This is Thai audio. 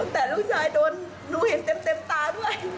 แต่ลูกชายโดนหนูเห็นเต็มตาด้วย